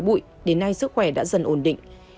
bụi đến nay sức khỏe đã dần ổn định